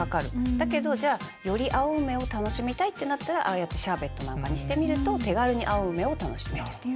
だけどじゃあより青梅を楽しみたいってなったらああやってシャーベットなんかにしてみると手軽に青梅を楽しめるっていう。